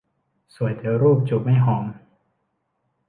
สวยแต่รูป จูบไม่หอม